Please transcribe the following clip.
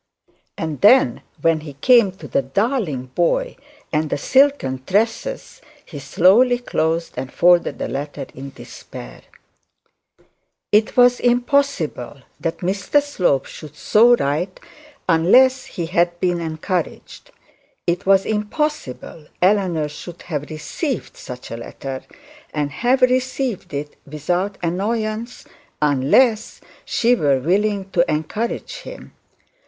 And then, when he came to the 'darling boy,' and the 'silken tresses,' he slowly closed and folded the letter in despair. It was impossible that Mr Slope should so write unless he had been encouraged. It was impossible that Eleanor should have received such a letter, and received it without annoyance, unless she were willing to encourage him.